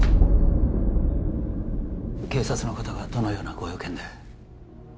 警察の方がどのようなご用件で？